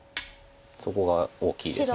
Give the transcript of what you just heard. そこが大きいです。